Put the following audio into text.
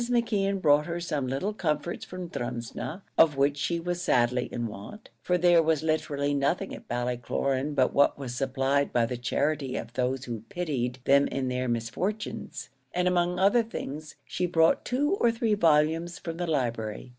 McKeon brought her some little comforts from Drumsna, of which she was sadly in want; for there was literally nothing at Ballycloran but what was supplied by the charity of those who pitied them in their misfortunes; and among other things she brought two or three volumes from the library.